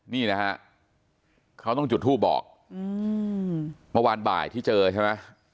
นี่นะครับเค้าต้องจุดทูปแบบปลอบเมื่อวานบ่ายที่เจอใช่ไหม